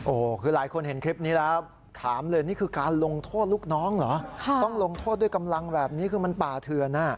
โอ้โหคือหลายคนเห็นคลิปนี้แล้วถามเลยนี่คือการลงโทษลูกน้องเหรอต้องลงโทษด้วยกำลังแบบนี้คือมันป่าเถื่อน